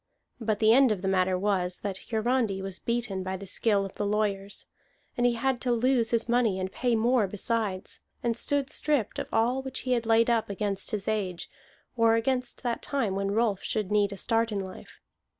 But the end of the matter was, that Hiarandi was beaten by the skill of lawyers; and he had to lose his money and pay more besides, and stood stripped of all which he had laid up against his age, or against that time when Rolf should need a start in life.